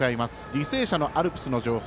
履正社のアルプスの情報